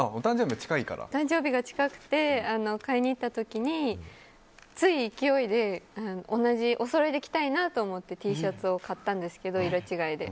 誕生日が近くて買いに行った時に、つい勢いでおそろいで着たいなと思ってＴシャツを買ったんですけど、色違いで。